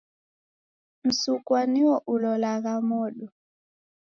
Msukwa nuo ulolagha modo.